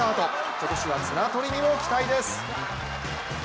今年は綱取りにも期待です。